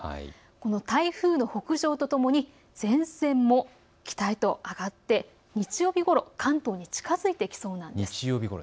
台風の北上とともに前線も北へと上がって日曜日ごろ関東に近づいてきそうなんです。